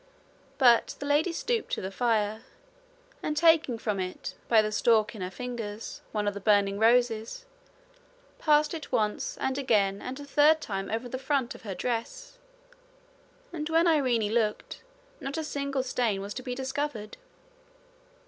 But the lady stooped to the fire, and taking from it, by the stalk in her fingers, one of the burning roses, passed it once and again and a third time over the front of her dress; and when Irene looked, not a single stain was to be discovered.